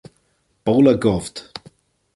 Bhola Govt.